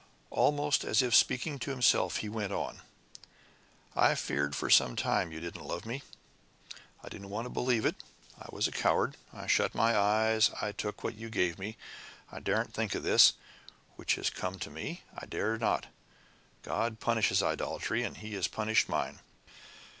Almost as if speaking to himself, he went on: "I've feared for some time you didn't love me. I didn't want to believe it. I was a coward. I shut my eyes. I took what you gave me I daren't think of this which has come to me! I dared not! God punishes idolatry! He has punished mine.